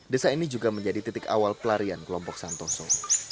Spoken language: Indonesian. desa ini juga menjadi titik awal pelarian kelompok santoso